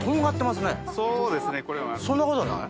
そんなことない？